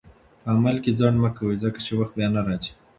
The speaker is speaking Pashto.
په عمل کې ځنډ مه کوه، ځکه چې وخت بیا نه راځي.